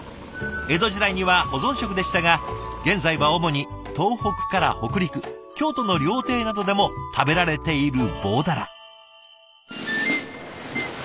江戸時代には保存食でしたが現在は主に東北から北陸京都の料亭などでも食べられている棒鱈。